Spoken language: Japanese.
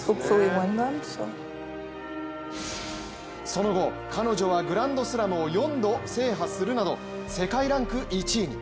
その後、彼女はグランドスラムを４度制覇するなど世界ランク１位に！